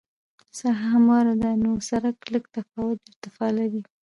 ساحه همواره ده نو سرک لږ تفاوت د ارتفاع لري